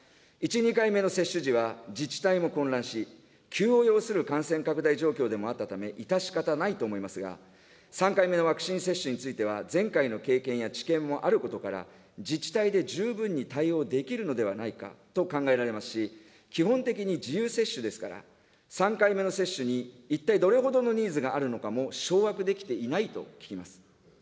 １、２回目の接種時は、自治体も混乱し、急を要する感染拡大状況でもあったため、致し方ないと思いますが、３回目のワクチン接種については、前回の経験や知見もあることから、自治体で十分に対応できるのではないかと考えられますし、基本的に自由接種ですから、３回目の接種に一体どれほどのニーズがあるのかも、掌握できていないと聞きます。